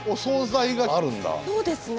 そうですね。